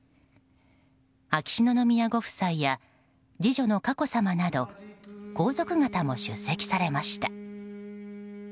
秋篠宮ご夫妻や次女の佳子さまなど皇族方も出席されました。